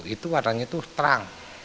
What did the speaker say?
itu warnanya itu terang